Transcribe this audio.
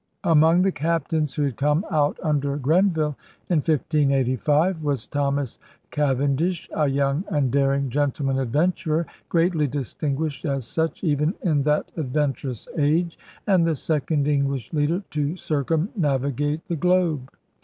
Among the captains who had come out under Grenville in 1585 was Thomas Cavendish, a young and daring gentleman adventurer, greatly dis tinguished as such even in that adventurous age, and the second English leader to circumnavigate the globe.